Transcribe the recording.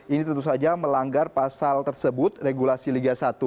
ini tentu saja melanggar pasal tersebut regulasi liga satu